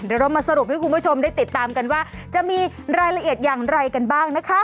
เดี๋ยวเรามาสรุปให้คุณผู้ชมได้ติดตามกันว่าจะมีรายละเอียดอย่างไรกันบ้างนะคะ